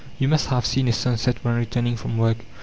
You must have seen a sunset when returning from work.